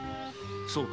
そうか。